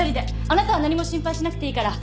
あなたは何も心配しなくていいから。